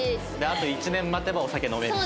あと１年待てばお酒飲める。